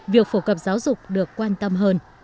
việc phổ cập giáo dục được quan tâm hơn